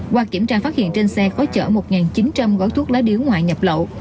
qua kiểm tra phát hiện trên xe có chở một chín trăm linh gói thuốc lá điếu ngoại nhập lậu